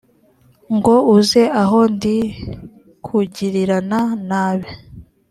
ngo uze aho ndi kugirirana nabi